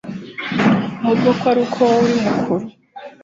ahubwo ko aruko wowe uri mukuru